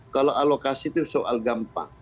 kalau alokasi itu soal gampang